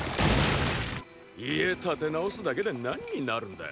家建て直すだけで何になるんだよ。